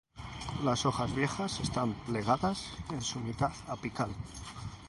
Las hojas viejas están plegadas en su mitad apical.